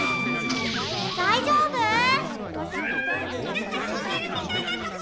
なんかトンネルみたいなとこにでたよ。